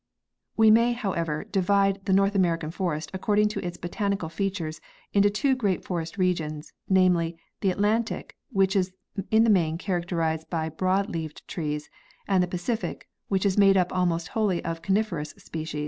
139 We may, however, divide the North American forest, according to its botanical features, into two great forest regions, namely, the Atlantic, which is in the main characterized by broad leaved trees, and the Pacific, which is made up almost wholly of conif erous species.